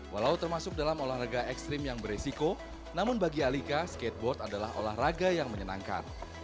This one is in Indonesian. walau termasuk dalam olahraga ekstrim yang beresiko namun bagi alika skateboard adalah olahraga yang menyenangkan